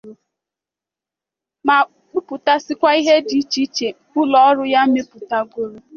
ma kpọpụtasịakwa ihe dị iche iche ụlọọrụ ya mepụtagoro